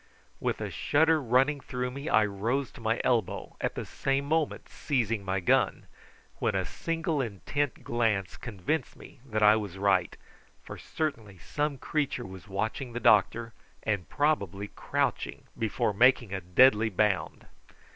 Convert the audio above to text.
With a shudder running through me I rose to my elbow, at the same moment seizing my gun, when a single intent glance convinced me that I was right, for certainly some creature was watching the doctor, and probably crouching before making a deadly bound.